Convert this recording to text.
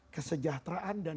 kesejahteraan dan kedamaian